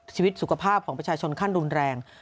ชีวิตสุขภาพของประชาชนขั้นรุนแรง